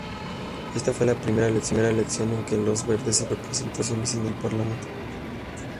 Esta fue la primera elección en que los verdes obtuvieron representación en el parlamento.